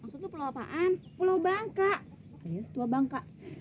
maksud lo pulau apaan pulau bangka